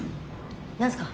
何すか？